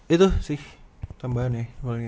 itu sih tambahan ya